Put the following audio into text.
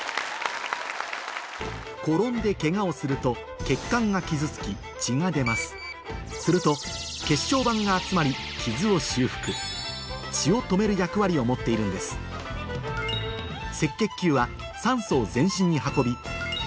転んでケガをすると血管が傷つき血が出ますすると血小板が集まり傷を修復血を止める役割を持っているんです役割を持っています